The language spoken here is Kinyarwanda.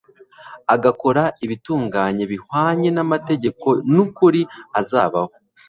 agakora ibitunganye bihwanye n'amategeko n'ukuri azabaho